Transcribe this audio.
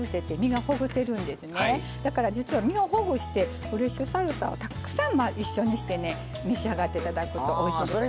だから実は身をほぐしてフレッシュサルサをたくさん一緒にしてね召し上がって頂くとおいしいです。